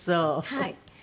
はい。